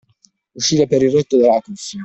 Uscire per il rotto della cuffia.